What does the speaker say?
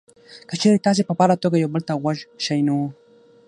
که چېرې تاسې په فعاله توګه بل ته غوږ شئ نو: